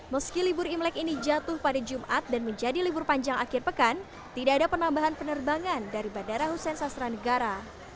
meski libur imlek ini jatuh pada jumat dan menjadi libur panjang akhir pekan tidak ada penambahan penerbangan dari bandara hussein sastra negara